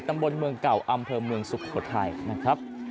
ตำบลเมืองเก่าอำเภอเมืองสุโขทัยนะครับ